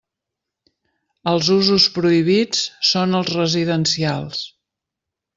Els usos prohibits són els residencials.